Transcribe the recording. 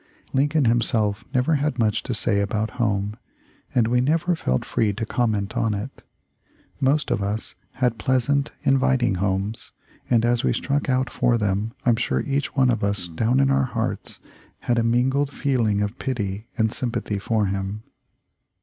Lincoln himself never had much to say about home, and we never felt free to comment on it. Most of us had pleasant, inviting homes, and as we struck out for them I'm sure each one of us down in our hearts had a mingled feeling of pity and sym pathy for him."